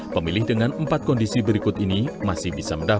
pemilih dengan empat kondisi berikut ini masih bisa mendapatkan